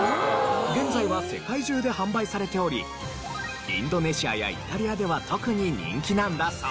現在は世界中で販売されておりインドネシアやイタリアでは特に人気なんだそう。